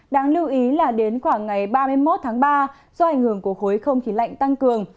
đáng lưu ý là đến khoảng ngày ba mươi một tháng ba do ảnh hưởng của khối không khí lạnh tăng cường